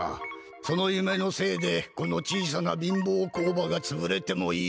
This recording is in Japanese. そのゆめのせいでこの小さなびんぼう工場がつぶれてもいいと？